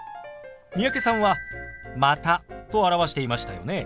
三宅さんは「また」と表していましたよね。